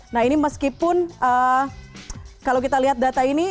nah ini meskipun kalau kita lihat data ini